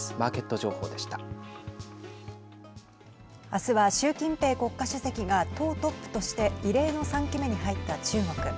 明日は習近平国家主席が党トップとして異例の３期目に入った中国。